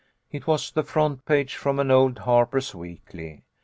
It was the front page from an old Harpers Weekly.